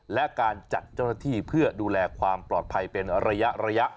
และการจัดเจ้าหน้าที่เพื่อดูแลความปลอดภัยเป็นระยะ